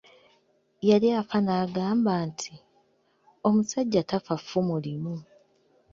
Yali afa nagamba nti, “Omusajja tafa ffumu limu."